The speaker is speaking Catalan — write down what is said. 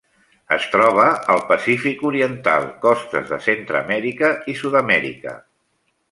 Es troba al Pacífic oriental: costes de Centreamèrica i Sud-amèrica.